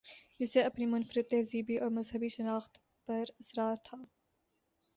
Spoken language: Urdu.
جسے اپنی منفردتہذیبی اورمذہبی شناخت پر اصرار تھا۔